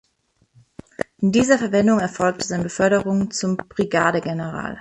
In dieser Verwendung erfolgte seine Beförderung zum Brigadegeneral.